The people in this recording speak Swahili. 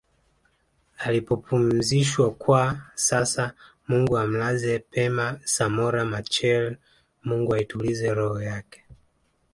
alipopumzishwakwa sasa Mungu amlaze pema Samora Machel Mungu aitulize roho yake